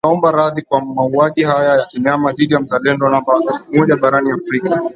ataomba radhi kwa mauaji haya ya kinyama dhidi ya Mzalendo namba moja barani Afrika